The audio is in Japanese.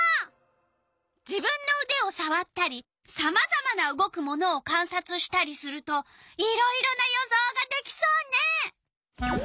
自分のうでをさわったりさまざまな動くものをかんさつしたりするといろいろな予想ができそうね。